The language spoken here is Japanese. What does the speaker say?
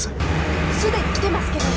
すでに来てますけど。